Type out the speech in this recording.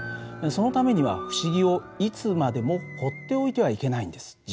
そのためには不思議をいつまでもほっておいてはいけないんです。